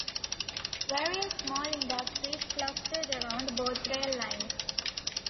Various small industries clustered around both rail lines.